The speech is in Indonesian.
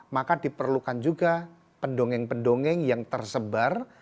maka diperlukan juga pendongeng pendongeng yang tersebar